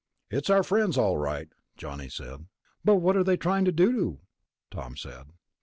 "It's our friends, all right," Johnny said. "But what are they trying to do?" Tom said.